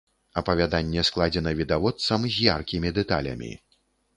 Апавяданне складзена відавочцам з яркімі дэталямі.